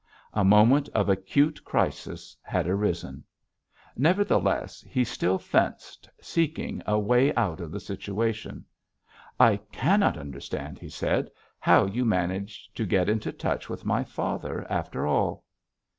A moment of acute crisis had arisen. Nevertheless he still fenced, peeking a way out of the situation. "I cannot understand," he said, "how you managed to get into touch with my father after all."